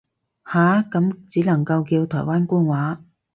下，咁只能夠叫台灣官話